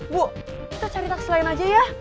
bu kita cari taksi lain aja ya